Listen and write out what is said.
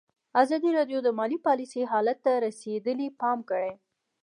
ازادي راډیو د مالي پالیسي حالت ته رسېدلي پام کړی.